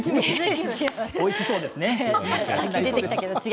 おいしそうですね。